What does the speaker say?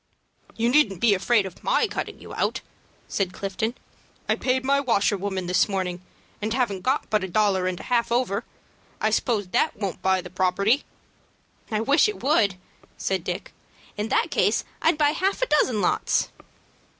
"You needn't be afraid of my cutting you out," said Clifton. "I paid my washerwoman this morning, and haven't got but a dollar and a half over. I suppose that won't buy the property." "I wish it would," said Dick. "In that case I'd buy half a dozen lots."